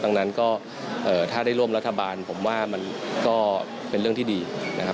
ดังนั้นก็ถ้าได้ร่วมรัฐบาลผมว่ามันก็เป็นเรื่องที่ดีนะครับ